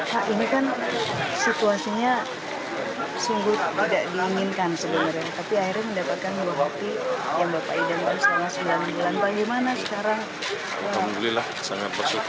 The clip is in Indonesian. ya bersyukur saja senang